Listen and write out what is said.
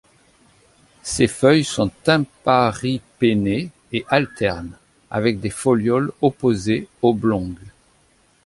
Ces feuilles sont imparipennées et alternes, avec des folioles opposées oblongues.